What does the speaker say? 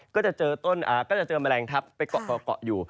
ก็จะเจอแมลงทัพไปเกาะเกาะอยู่